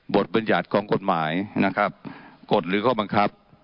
บัญญัติของกฎหมายนะครับกฎหรือข้อบังคับ